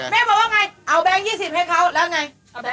บอกว่าไงเอาแบงค์๒๐ให้เขาแล้วไง